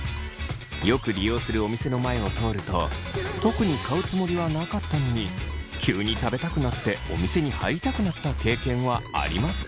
よく利用するお店の前を通ると特に買うつもりはなかったのに急に食べたくなってお店に入りたくなった経験はありますか。